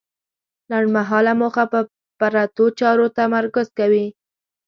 لنډمهاله موخه په پرتو چارو تمرکز کوي.